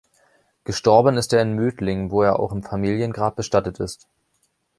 Gestorben ist er in Mödling, wo er auch im Familiengrab bestattet ist.